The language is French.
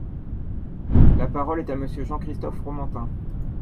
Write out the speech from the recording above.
La parole est à Monsieur Jean-Christophe Fromantin.